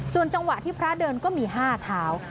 ส่วนจังหวะที่พระเดินก็มี๕เท้า